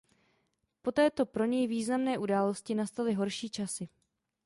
Po této pro něj významné události nastaly horší časy.